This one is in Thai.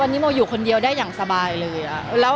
วันนี้โมอยู่คนเดียวได้อย่างสบายเลย